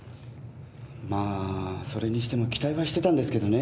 まあそれにしても期待はしてたんですけどね